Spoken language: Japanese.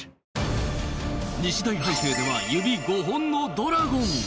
西代判定では指５本のドラゴン。